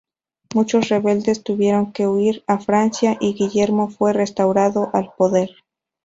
Muchos rebeldes tuvieron que huir a Francia, y Guillermo fue restaurado al poder.